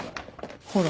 ほら。